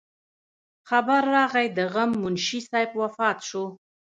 خبر راغے د غم منشي صاحب وفات شو